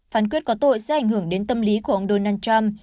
phán quyết có tội sẽ ảnh hưởng đến tâm lý của ông